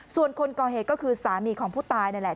ส่วนคนก่อเหตุก็คือสามีของผู้ตายนั่นแหละ